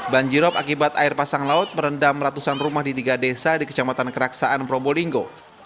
banjirop akibat air pasang laut merendam ratusan rumah di tiga desa di kecamatan keraksaan probolinggo